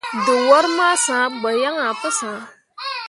Dǝwor ma sãã gbo yaŋ pu sah.